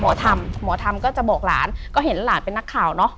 หมอธรรมหมอธรรมก็จะบอกหลานก็เห็นหลานเป็นนักข่าวนะคะ